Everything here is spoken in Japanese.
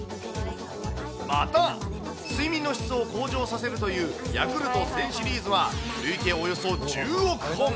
また、睡眠の質を向上させるというヤクルト１０００シリーズは累計およそ１０億本。